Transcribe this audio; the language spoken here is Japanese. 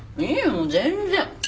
もう全然。